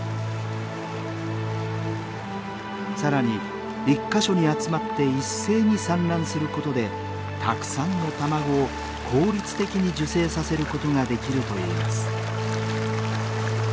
さらに１か所に集まって一斉に産卵することでたくさんの卵を効率的に受精させることができるといいます。